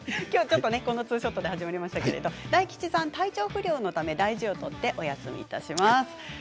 きょうはこのツーショットで始まりましたが大吉さん体調不良のため大事を取ってお休みいたします。